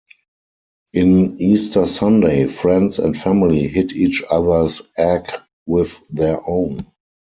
In Easter Sunday friends and family hit each other's egg with their own.